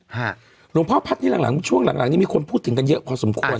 หลวงพ่อพัฒน์นี่หลังหลังช่วงหลังหลังนี้มีคนพูดถึงกันเยอะพอสมควร